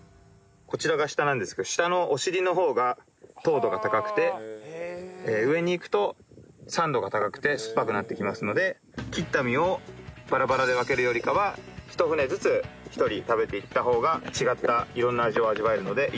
こちらが下なんですけど下のお尻の方が糖度が高くて上にいくと酸度が高くて酸っぱくなってきますので切った実をバラバラで分けるよりかは一舟ずつ一人食べていった方が違った色んな味を味わえるのでいいと思います。